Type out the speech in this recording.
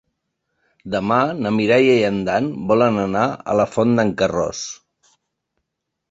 Demà na Mireia i en Dan volen anar a la Font d'en Carròs.